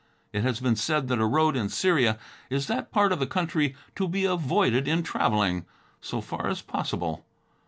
It has been said that a road, in Syria, is that part of the country to be avoided in traveling, so far as possible.